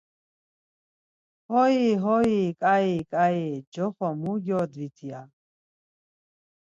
Hoi, hoi, ǩai ǩai, coxo mu gyodvit? ya.